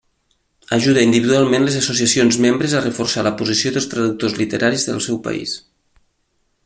Ajuda individualment les associacions membres a reforçar la posició dels traductors literaris del seu país.